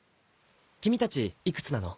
君たちいくつなの？